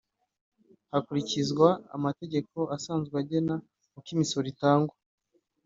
hakurikizwa amategeko asanzwe agena uko imisoro itangwa